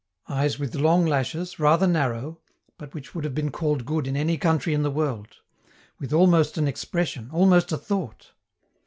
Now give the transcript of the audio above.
Eyes with long lashes, rather narrow, but which would have been called good in any country in the world; with almost an expression, almost a thought.